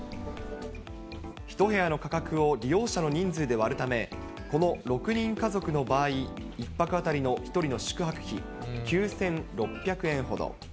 １部屋の価格を利用者の人数で割るため、この６人家族の場合、１泊当たりの１人の宿泊費、９６００円ほど。